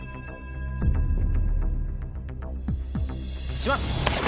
押します！